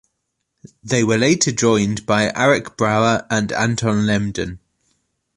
They were later joined by Arik Brauer and Anton Lehmden.